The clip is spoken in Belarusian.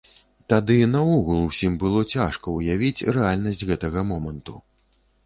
Тады наогул усім было цяжка ўявіць рэальнасць гэтага моманту.